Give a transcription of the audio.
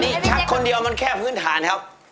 นี่ชักคนเดียวมันแค่พื้นฐานครับ